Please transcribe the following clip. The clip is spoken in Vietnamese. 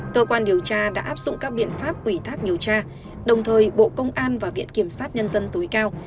cơ quan điều tra đã áp dụng các biện pháp ủy thác điều tra đồng thời bộ công an và viện kiểm sát nhân dân tối cao